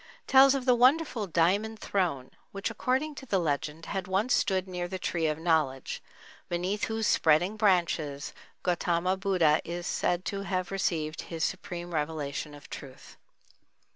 tells of the wonderful "Diamond Throne" which, according to the legend, had once stood near the Tree of Knowledge, beneath whose spreading branches Gautama Buddha is said to have received his supreme revelation of truth.